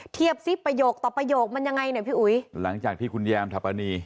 เทียบซิประโยคต่อประโยคมันยังไงเนี่ยพี่อุ๋ยหลังจากที่คุณแยมทัพปณี